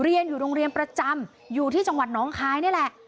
เรียนอยู่โรงเรียนประจำอยู่ที่จังหวัดน้องคายนี่แหละ